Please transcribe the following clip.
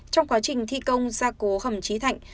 trong quá trình thi công gia cố hầm trí thạnh